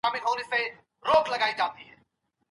رسول اکرم د نارينه او ښځي د اړيکو په اړه څه فرمايلي دي؟